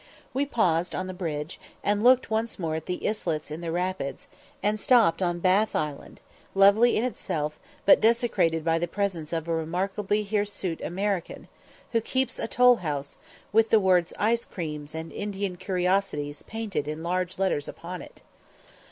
We paused on the bridge, and looked once more at the islets in the rapids, and stopped on Bath Island, lovely in itself, but desecrated by the presence of a remarkably hirsute American, who keeps a toll house, with the words "Ice creams" and "Indian Curiosities" painted in large letters upon it.